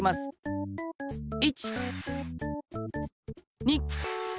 １！２！